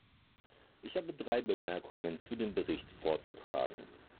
Ich habe drei Bemerkungen zu dem Bericht vorzutragen.